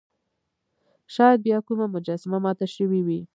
شاید بیا کومه مجسمه ماته شوې وي.